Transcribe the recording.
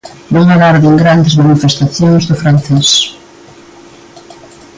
Non agarden grandes manifestacións do francés.